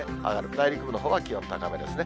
内陸部のほうは、気温高めですね。